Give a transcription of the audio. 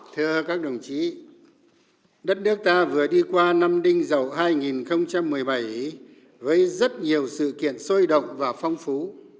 thưa các đồng chí đất nước ta vừa đi qua năm đinh giàu hai nghìn một mươi bảy với rất nhiều sự kiện sôi động và phong phú